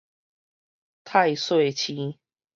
太歲星